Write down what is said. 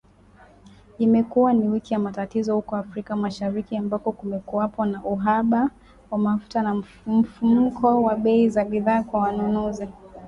Imekuwa ni wiki ya matatizo huko Afrika Mashariki, ambako kumekuwepo na uhaba wa mafuta na mfumuko wa bei za bidhaa kwa wanunuzi